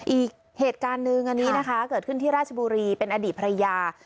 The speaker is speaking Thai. อีกเหตุการณ์หนึ่งอันนี้นะคะเกิดขึ้นที่ราชบุรีเป็นอดีตภรรยา